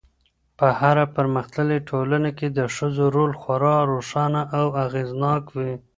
په هره پرمختللې ټولنه کي د ښځو رول خورا روښانه او اغېزناک وي